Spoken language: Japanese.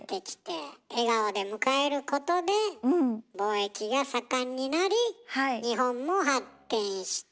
笑顔で迎えることで貿易が盛んになり日本も発展した。